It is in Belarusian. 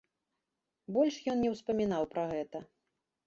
Больш ён не ўспамінаў пра гэта.